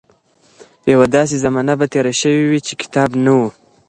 يوه داسې زمانه به تېره شوې وي چې کتاب نه و.